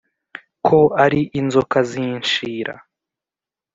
ko ari inzoka z'inshira